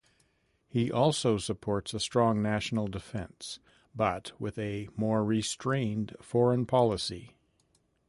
He also supports a strong national defense, but with a more restrained foreign policy.